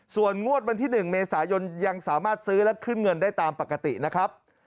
ส่วนงวดวันที่๑เมษายนยังสามารถซื้อและขึ้นเงินได้ตามปกตินะครับ